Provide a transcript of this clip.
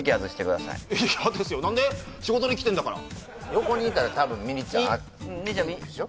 仕事で来てんだから横にいたら多分ミリちゃんでしょ？